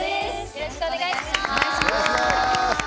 よろしくお願いします。